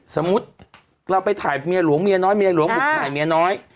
สมมุติเราไปถ่ายเมียหลวงเมียน้อยเมียหลวงบุกถ่ายเมียน้อย